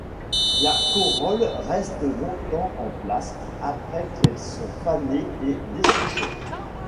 Les corolles restent longtemps en place après qu'elles sont fanées et desséchées.